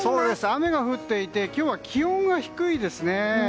雨が降っていて今日は気温が低いですね。